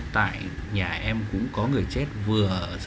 tại nhà em cũng có người chết vừa